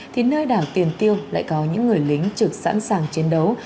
thì nơi đảo tiền tiêu lại có những người lính trực sẵn sàng chiến đấu